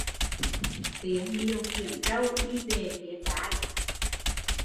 Tiếng điều khiển trâu đi về phía trái